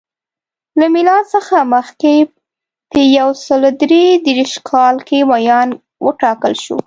له میلاد څخه مخکې په یو سل درې دېرش کال کې ویاند وټاکل شو.